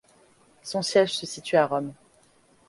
Son siège se situe à Rome.